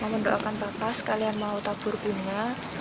mendoakan bapak sekalian mau tabur bunga